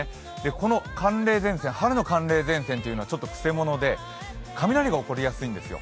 この春の寒冷前線というのはくせもので雷が起こりやすいんですよ。